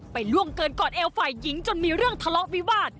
ล่วงเกินกอดเอวฝ่ายหญิงจนมีเรื่องทะเลาะวิวาส